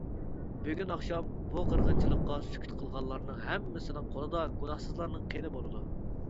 بۈگۈن ئاخشام ، بۇ قىرغىنچىلىققا سۈكۈت قىلغانلارنىڭ ھەممىسىنىڭ قولىدا گۇناھسىزلارنىڭ قېنى بولىدۇ.